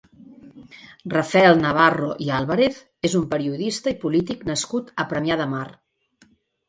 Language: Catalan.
Rafael Navarro i Álvarez és un periodista i polític nascut a Premià de Mar.